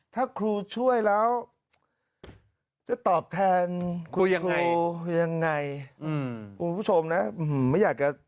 ถ้าครูช่วยแล้วจะตอบแทนครูยังไง